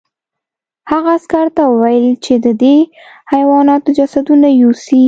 هغه عسکر ته وویل چې د دې حیواناتو جسدونه یوسي